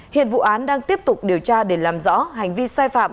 hiện vụ án đang tiếp tục điều tra để làm rõ hành vi sai phạm